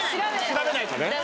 調べないとね